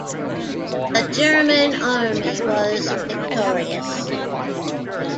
The German army was victorious.